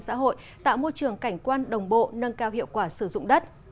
xã hội tạo môi trường cảnh quan đồng bộ nâng cao hiệu quả sử dụng đất